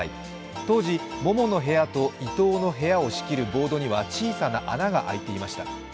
当時、モモの部屋とイトウの部屋を仕切る部屋には小さな穴が開いていました。